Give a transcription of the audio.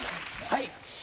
はい。